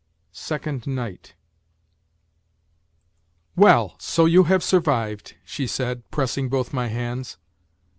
SECOND NIGHT " WELL, so you have survived !" she said, pressing both my hands.